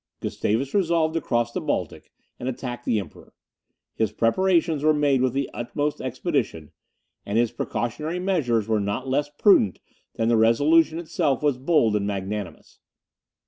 Gustavus resolved to cross the Baltic and attack the Emperor. His preparations were made with the utmost expedition, and his precautionary measures were not less prudent than the resolution itself was bold and magnanimous.